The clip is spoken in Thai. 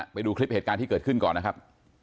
ไปดูคลิปเหตุการณ์ที่เกิดขึ้นก่อนนะครับ